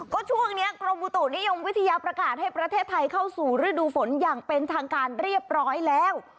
ก็ช่วงนี้กรมอุตุนิยมวิทยาประกาศให้ประเทศไทยเข้าสู่ฤดูฝนอย่างเป็นทางการเรียบร้อยแล้ว